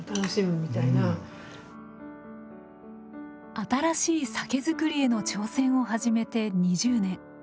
新しい酒造りへの挑戦を始めて２０年。